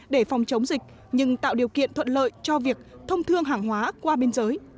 để phòng chống dịch nhưng tạo điều kiện thuận lợi cho việc thông thương hàng hóa qua biên giới